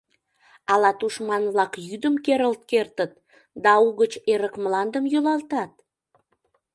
Ала тушман-влак йӱдым керылт кертыт Да угыч эрык мландым йӱлалтат?